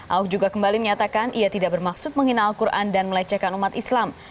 ahok juga kembali menyatakan ia tidak bermaksud menghina al quran dan melecehkan umat islam